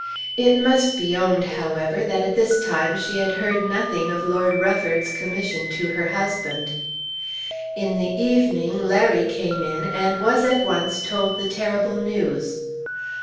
It must be owned, however, that at this time she had heard nothing of Lord Rufford's commission to her husband. In the evening Larry came in and was at once told the terrible news.